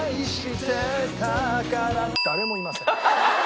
誰もいません。